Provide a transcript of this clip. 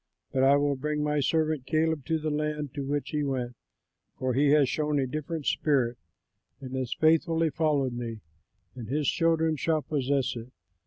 But I will bring my servant Caleb to the land to which he went, for he has shown a different spirit and has faithfully followed me, and his children shall possess it.